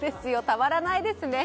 たまらないですね。